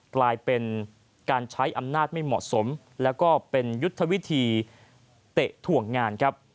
กลายเป็นการใช้อำนาจไม่เหมาะสมแล้วก็เป็นยุทธวิธีเตะถ่วงงานครับ